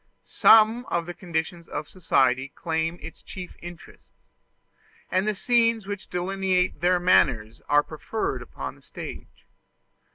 Some of the conditions of society claim its chief interest; and the scenes which delineate their manners are preferred upon the stage.